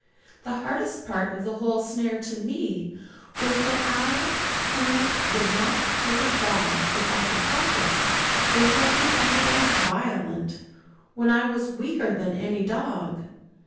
The hardest part of the whole snare to me was, that I, who would not hurt a dog if I could help it, was represented as 'violent' when I was weaker than any dog.